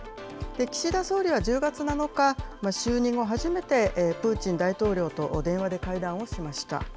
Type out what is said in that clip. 岸田総理は１０月７日、就任後初めてプーチン大統領と電話で会談をしました。